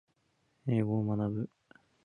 英語を学ぶ